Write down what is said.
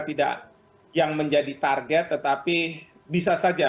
tidak yang menjadi target tetapi bisa saja